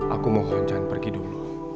aku mohon jangan pergi dulu